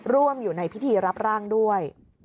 ร่วมอยู่ในพิธีรับร่างด้วย